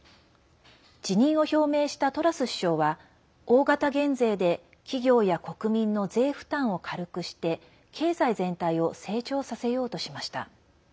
辞任を表明したトラス首相は大型減税で企業や国民の税負担を軽くして経済全体を成長させようとしました。